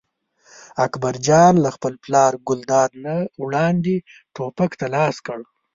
اکبر جان له خپل پلار ګلداد نه وړاندې ټوپک ته لاس کړ.